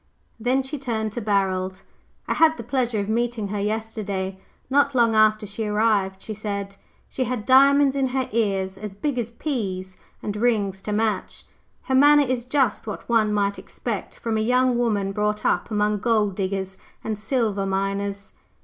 Then she turned to Barold. "I had the pleasure of meeting her yesterday, not long after she arrived," she said. "She had diamonds in her ears as big as peas, and rings to match. Her manner is just what one might expect from a young woman brought up among gold diggers and silver miners."